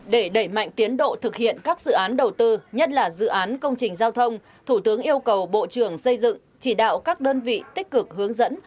để đẩy mạnh tiến độ thực hiện các dự án đầu tư nhất là dự án công trình giao thông thủ tướng yêu cầu bộ trưởng xây dựng chỉ đạo các đơn vị tích cực hướng dẫn